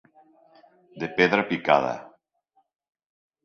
De pedra picada.